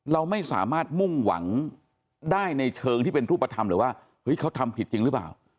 เราไม่สามารถมุ่งหวังได้ในเชิงที่เป็นรูปธรรมเลยว่าเฮ้ยเขาทำผิดจริงหรือเปล่า